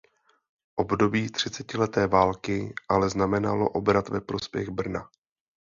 Období třicetileté války ale znamenalo obrat ve prospěch Brna.